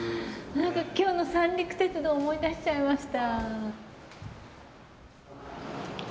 今日の三陸鉄道を思い出しちゃいました。